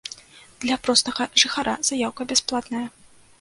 Для простага жыхара заяўка бясплатная.